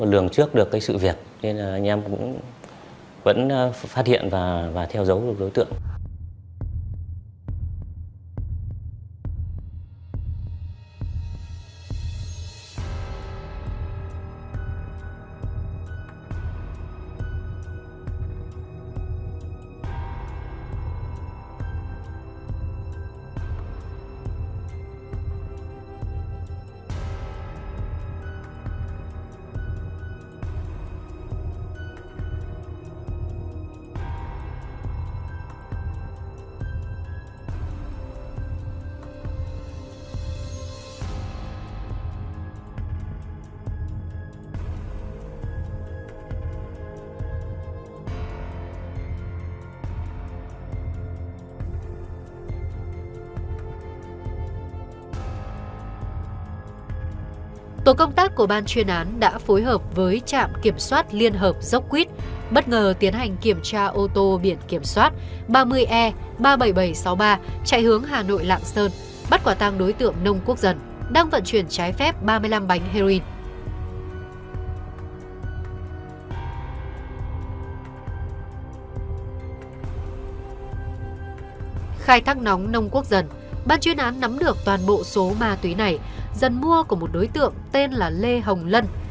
lường trước được sự việc nên anh em vẫn phát hiện và theo dấu đối tượng